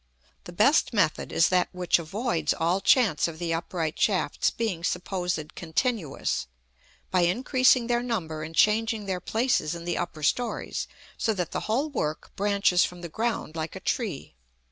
The best method is that which avoids all chance of the upright shafts being supposed continuous, by increasing their number and changing their places in the upper stories, so that the whole work branches from the ground like a tree.